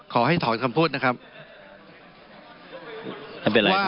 ขอให้ถอนคำพูดนะครับ